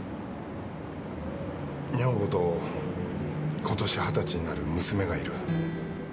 女房と今年二十歳になる娘がいる。